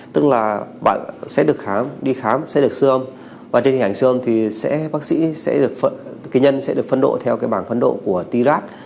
tức là bạn sẽ được đi khám sẽ được sư âm và trên hình ảnh sư âm thì bác sĩ sẽ được phân độ theo bảng phân độ của t rat